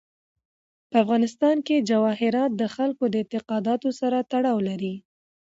په افغانستان کې جواهرات د خلکو د اعتقاداتو سره تړاو لري.